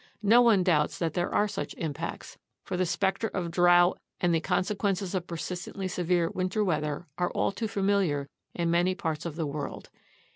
No one doubts that there are such impacts, for the specter of drought and the consequences of persistently severe winter weather are all too familiar in many parts of the world.